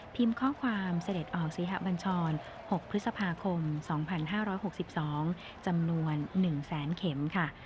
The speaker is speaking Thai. พิมพ์ข้อความเสด็จออกสีหะบัญชรหกพฤษภาคมสองพันห้าร้อยหกสิบสองจำนวนหนึ่งแสนเข็มค่ะ